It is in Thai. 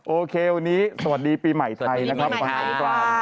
โอเควันนี้สวัสดีปีใหม่ไทยนะครับวันสงกราน